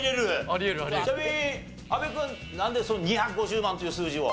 ちなみに阿部君なんで２５０万という数字を？